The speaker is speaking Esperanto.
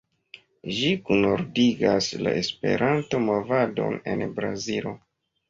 Ĝi kunordigas la Esperanto-movadon en Brazilo.